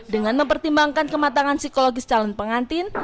dengan mempertimbangkan kematangan psikologis calon pengantin